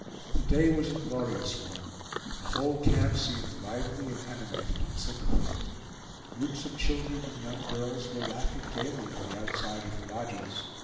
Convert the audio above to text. The day was a glorious one, and the whole camp seemed lively and animated in sympathy. Groups of children and young girls were laughing gayly on the outside of the lodges.